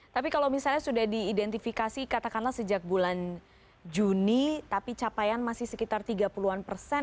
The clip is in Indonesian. tapi kalau misalnya sudah diidentifikasi katakanlah sejak bulan juni tapi capaian masih sekitar tiga puluh an persen